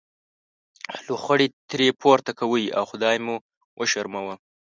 لوخړې ترې پورته کوئ او خدای مو وشرموه.